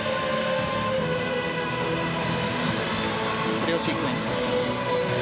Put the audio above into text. コレオシークエンス。